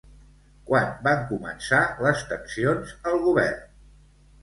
Quan van començar les tensions al govern?